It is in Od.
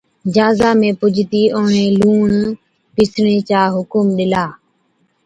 جھازا ۾ پُجتِي اُڻهين لُوڻ پِيسڻي چا حُڪم ڏِلا۔